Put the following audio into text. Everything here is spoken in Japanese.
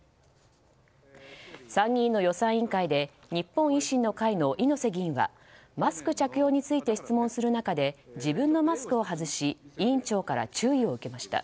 参議院の予算委員会で日本維新の会の猪瀬議員はマスク着用について質問する中で自分のマスクを外し委員長から注意を受けました。